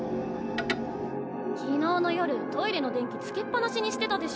昨日の夜トイレの電気つけっ放しにしてたでしょ。